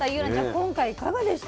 今回いかがでしたか？